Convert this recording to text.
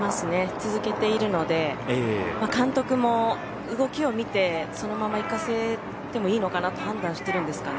続けているので監督も動きを見てそのままいかせてもいいのかなと判断してるんですかね。